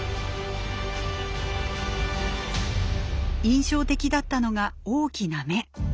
印象的だったのが大きな目。